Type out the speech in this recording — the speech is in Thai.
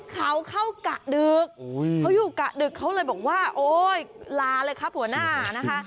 เขาเข้ากะดึกเขาอยู่กะดึกเขาเลยบอกว่าโอ๊ยลาเลยครับหัวหน้านะคะ